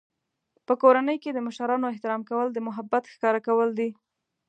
په کورنۍ کې د مشرانو احترام کول د محبت ښکاره کول دي.